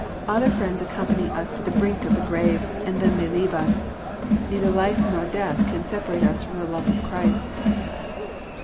Other friends ac company us to the brink of the grave, and then they leave us. — I^either life nor death can separate from the love of Christ.